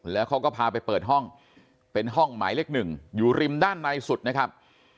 แล้วเขาก็พาไปเปิดห้องเป็นห้องหมายเลขหนึ่งอยู่ริมด้านในสุดนะครับ